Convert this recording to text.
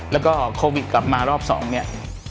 แล้วก็โควิดกลับมารอบ๒เนี่ย